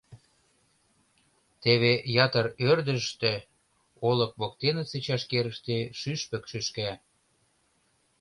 Теве ятыр ӧрдыжтӧ, олык воктенысе чашкерыште, шӱшпык шӱшка.